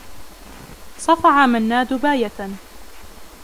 صفع منّاد باية.